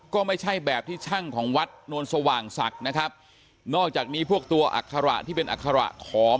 ก็ไม่ใช่แบบที่ช่างของวัดนวลสว่างศักดิ์นะครับนอกจากนี้พวกตัวอัคระที่เป็นอัคระของ